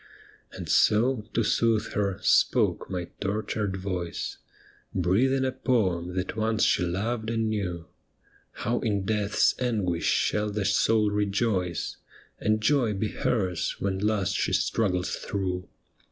And so, to soothe her, spoke my tortured voice, Breathing a poem that once she loved and knew, How in death's anguish shall the soul rejoice, And joy be hers when last she struggles through.